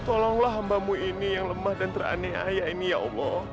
tolonglah hambamu ini yang lemah dan terani aya ini ya allah